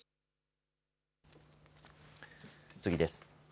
次です。